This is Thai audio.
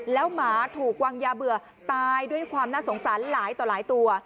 แล้วหมาถูกวางยาเบื่อตายด้วยความน่าสงสารหลายต่อหลายตัว